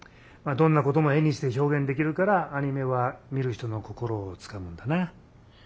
どんなことも絵にして表現できるからアニメは見る人の心をつかむんだな。